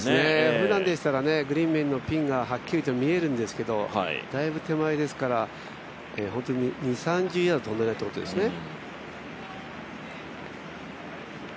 ふだんでしたらグリーン面のピンがはっきり見えるんですけれども、だいぶ手前ですから、本当に２０３０ヤード飛んでいないということですね。